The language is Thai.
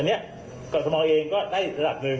อันนี้กดสมองเองก็ได้สระดับนึง